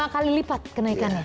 lima kali lipat kenaikan